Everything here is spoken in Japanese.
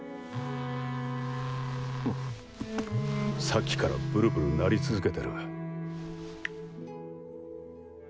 さっきからブルブル鳴り続けてる。